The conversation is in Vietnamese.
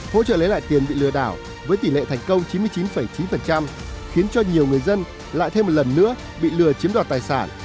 hỗ trợ lấy lại tiền bị lừa đảo với tỷ lệ thành công chín mươi chín chín khiến cho nhiều người dân lại thêm một lần nữa bị lừa chiếm đoạt tài sản